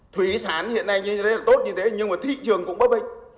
thủy sản hiện nay như thế là tốt như thế nhưng mà thị trường cũng bóp bệnh